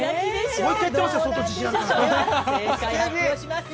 ◆もう一回言ってますよ。